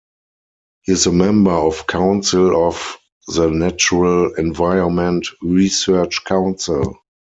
He is a member of Council of the Natural Environment Research Council.